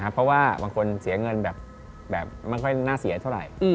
เพราะว่าบางคนเสียเงินแบบไม่ค่อยน่าเสียเท่าไหร่